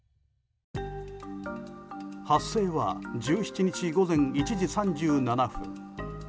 発生は１７日午前１時３７分。